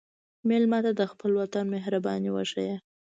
مېلمه ته د خپل وطن مهرباني وښیه.